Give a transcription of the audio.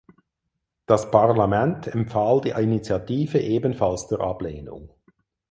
Das Parlament empfahl die Initiative ebenfalls zur Ablehnung.